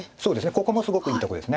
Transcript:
ここもすごくいいとこです。